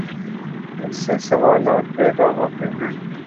اس سے سوالات پیدا ہوتے ہیں۔